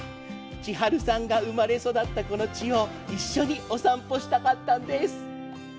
千春さんが生まれ育ったこの地を一緒にお散歩したかったんです。